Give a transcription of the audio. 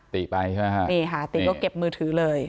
ติไปใช่ไหมฮะนี่ค่ะติก็เก็บมือถือเลย